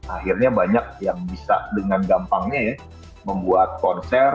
akhirnya banyak yang bisa dengan gampangnya ya membuat konser